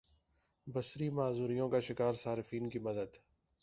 بصری معذوریوں کا شکار صارفین کی مدد